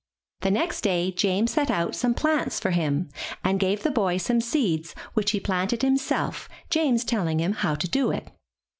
The next day James set out some plants for him, and gave the boy some seeds which he planted him self, James telling him how to do it.